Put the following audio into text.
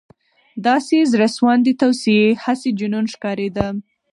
• داسې زړهسواندې توصیې، هسې جنون ښکارېده.